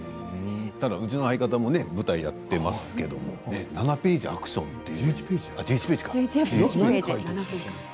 うちの相方も舞台をやっていますけれど７ページ、アクションって。